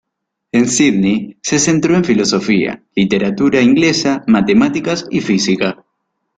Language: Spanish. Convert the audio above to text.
En Sydney se centró en filosofía, literatura inglesa, matemáticas y física.